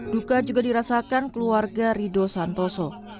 duka juga dirasakan keluarga rido santoso